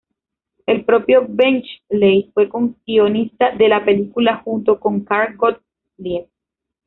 El propio Benchley fue coguionista de la película junto con Carl Gottlieb.